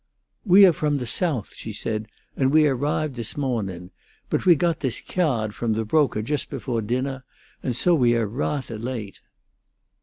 "We awe from the Soath," she said, "and we arrived this mawning, but we got this cyahd from the brokah just befo' dinnah, and so we awe rathah late."